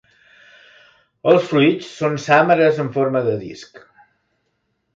Els fruits són sàmares en forma de disc.